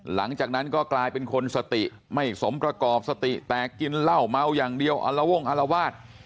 หลังจากนั้นก็กลายเป็นคนสติไม่สมประกอบสติแตกกินเหล้าเมาอย่างเดียวอัลวงอารวาส